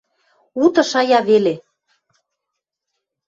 Уты шая веле.